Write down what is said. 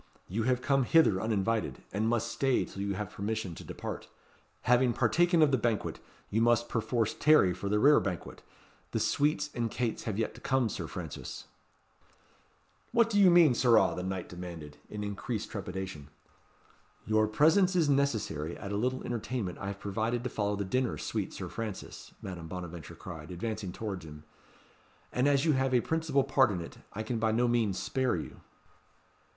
"You have come hither uninvited, and must stay till you have permission to depart. Having partaken of the banquet, you must, perforce, tarry for the rerebanquet. The sweets and cates have yet to come, Sir Francis." "What mean you, sirrah?" the knight demanded, in increased trepidation. "Your presence is necessary at a little entertainment I have provided to follow the dinner, sweet Sir Francis," Madame Bonaventure cried, advancing towards him; "and as you have a principal part in it, I can by no means spare you."